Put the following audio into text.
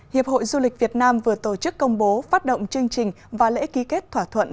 hiệp hội du lịch việt nam vừa tổ chức công bố phát động chương trình và lễ ký kết thỏa thuận